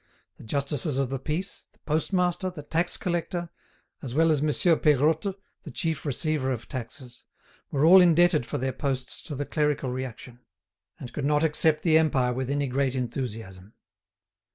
The justices of the peace, the post master, the tax collector, as well as Monsieur Peirotte, the chief receiver of taxes, were all indebted for their posts to the Clerical reaction, and could not accept the Empire with any great enthusiasm.